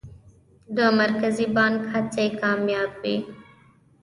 د مرکزي بانک هڅې کامیابه وې؟